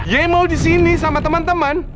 ye mau di sini sama temen temen